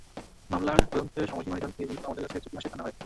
মামলায় তদন্তের সময়সীমা নির্ধারিত থাকে, কিন্তু আমাদের কাছে চিঠি আসে থানা হয়ে।